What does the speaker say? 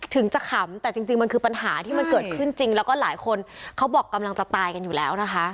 ถึงจะขำแต่จริงมันคือปัญหาที่มันเกิดขึ้นจริงแล้วก็หลายคนเขาบอกกำลังจะตายกันอยู่แล้วนะคะ